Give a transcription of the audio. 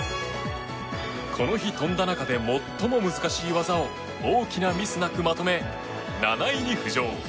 この日、飛んだ中で最も難しい技を大きなミスなくまとめ７位に浮上。